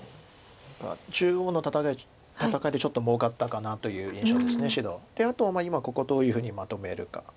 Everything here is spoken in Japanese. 中央の戦いでちょっともうかったかなという印象です白。であと今ここどういうふうにまとめるか。